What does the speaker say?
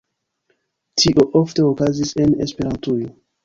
Tio ofte okazis en Esperantujo.